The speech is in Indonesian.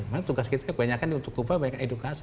memang tugas kita banyak kan untuk kuva banyak edukasi